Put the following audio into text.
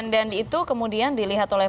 dan itu kemudian dilihat oleh